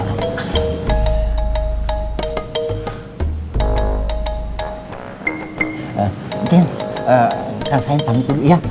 entin kang sain pak hamid dulu ya